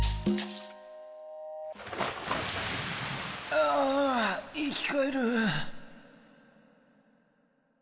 ああいきかえる。